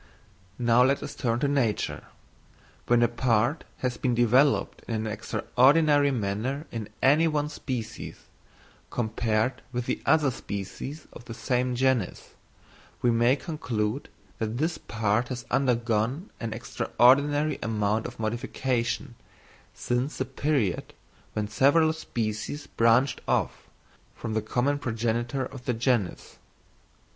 Now let us turn to nature. When a part has been developed in an extraordinary manner in any one species, compared with the other species of the same genus, we may conclude that this part has undergone an extraordinary amount of modification since the period when the several species branched off from the common progenitor of the genus.